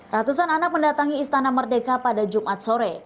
ratusan anak mendatangi istana merdeka pada jumat sore